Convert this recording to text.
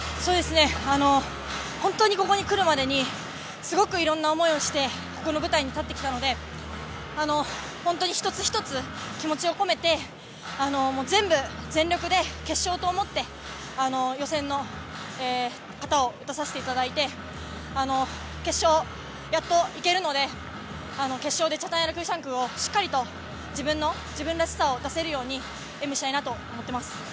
本当に、ここに来るまでにすごくいろんな思いをして、ここの舞台に立ってきたので、本当に一つ一つ気持ちを込めて、全部、全力で決勝と思って予選の形を出させていただいて、決勝にやっと行けるので、決勝でチャタンヤラクーサンクーを自分の自分らしさを出せるように、演武したいなと思います。